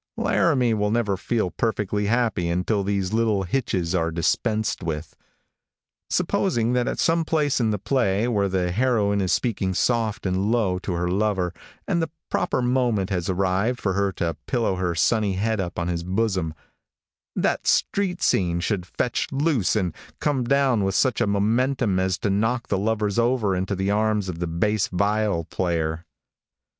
Laramie will never feel perfectly happy until these little hitches are dispensed with. Supposing that at some place in the play, where the heroine is speaking soft and low to her lover and the proper moment has arrived for her to pillow her sunny head upon his bosom, that street scene should fetch loose, and come down with such momentum as to knock the lovers over into the arms of the bass viol player.